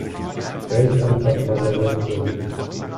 Welch ein fataler Irrtum!